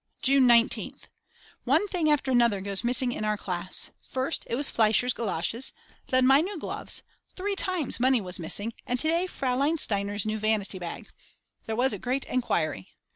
June 19th. One thing after another goes missing in our class, first it was Fleischer's galoshes, then my new gloves, three times money was missing, and today Fraulein Steiner's new vanity bag. There was a great enquiry.